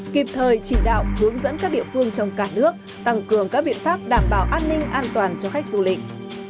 kịp thời chỉ đạo hướng dẫn các địa phương trong cả nước tăng cường các biện pháp đảm bảo an ninh an toàn cho khách du lịch